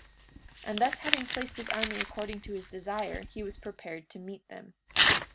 43:33 And thus having placed his army according to his desire, he was prepared to meet them.